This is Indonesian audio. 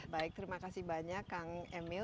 baik terima kasih banyak kang emil